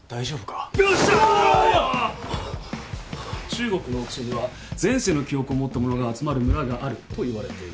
中国の奥地には前世の記憶を持った者が集まる村があるといわれている。